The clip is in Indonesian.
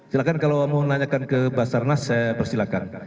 silahkan kalau mau nanyakan ke basarnas saya persilakan